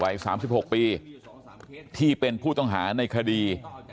๓๖ปีที่เป็นผู้ต้องหาในคดี